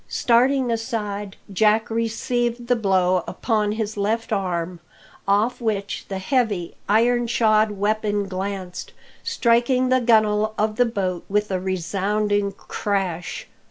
Starting aside, Jack received the blow' upon his left arm, off which the heavy, iron shod weapon glanced, striking the gun'le of the boat with a resounding crash.